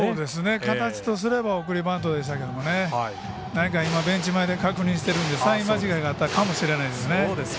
形とすれば送りバントですけどベンチ前で確認してるんでサイン間違いがあったかもしれないですね。